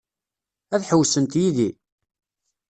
Ad ḥewwsent yid-i?